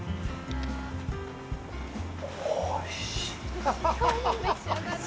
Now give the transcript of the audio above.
おいしい。